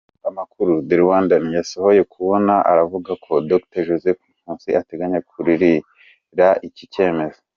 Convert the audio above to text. Amakuru The Rwandan yashoboye kubona aravuga ko Dr Joseph Nkusi ateganya kujuririra iki cyemezo.